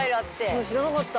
私も知らなかった。